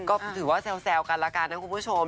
ก็ถือว่าแซวกันละกันนะคุณผู้ชม